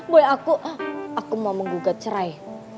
boy aku aku mau menggugat cerai